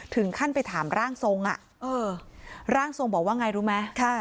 ถึงขั้นไปถามร่างทรงร่างทรงบอกว่าไงรู้ไหม